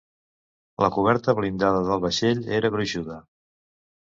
La coberta blindada del vaixell era gruixuda.